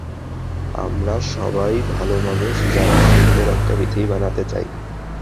আমরা সবাই ভালো মানুষ, যারা সুন্দর একটা পৃথিবী বানাতে চাই।